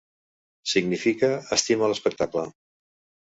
Significa "Estima l'espectacle".